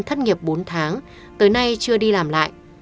thất nghiệp bốn tháng tới nay chưa đi làm lại